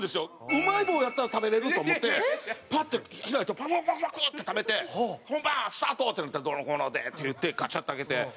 うまい棒やったら食べられると思ってパッと開いてパクパクパク！って食べて「本番スタート！」ってなったら「どうのこうので」って言ってガチャッと開けて。